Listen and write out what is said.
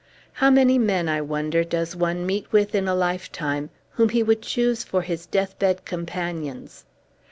How many men, I wonder, does one meet with in a lifetime, whom he would choose for his deathbed companions!